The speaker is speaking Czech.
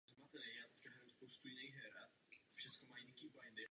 Tabulka uvádí poměr vzájemných zápasů párů před Turnajem mistrů.